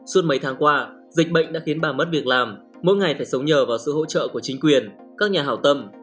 suốt mấy tháng qua dịch bệnh đã khiến bà mất việc làm mỗi ngày phải sống nhờ vào sự hỗ trợ của chính quyền các nhà hảo tâm